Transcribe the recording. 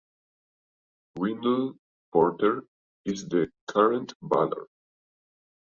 Windle Porter is the current mayor.